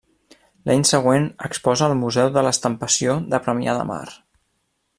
L’any següent exposa al Museu de l’Estampació de Premià de Mar.